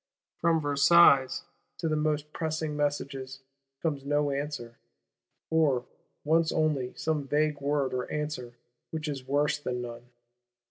From Versailles, to the most pressing messages, comes no answer; or once only some vague word of answer which is worse than none.